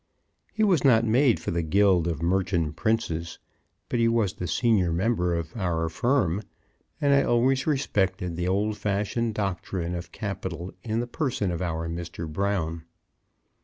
He was not made for the guild of Merchant Princes. But he was the senior member of our firm, and I always respected the old fashioned doctrine of capital in the person of our Mr. Brown.